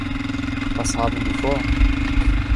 Was haben die vor?